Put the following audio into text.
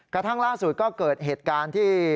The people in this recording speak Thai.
กระทั่งล่าสุดก็เกิดเหตุการณ์ที่